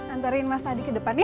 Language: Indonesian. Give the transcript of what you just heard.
antarin mas adi ke depan ya